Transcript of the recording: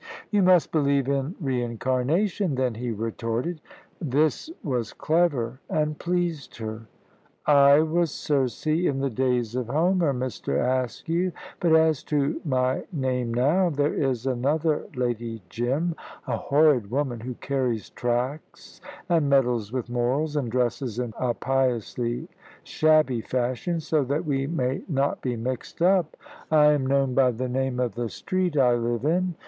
"You must believe in re incarnation then," he retorted. This was clever and pleased her. "I was Circe in the days of Homer, Mr. Askew. But as to my name now, there is another Lady Jim a horrid woman who carries tracts and meddles with morals, and dresses in a piously shabby fashion. So that we may not be mixed up, I am known by the name of the street I live in.